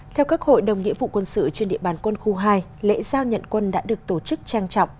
theo các hội đồng nghĩa vụ quân sự trên địa bàn quân khu hai lễ giao nhận quân đã được tổ chức trang trọng